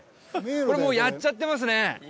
これもうやっちゃってますね